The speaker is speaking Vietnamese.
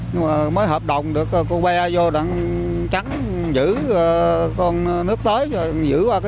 nhưng mà mới hợp đồng được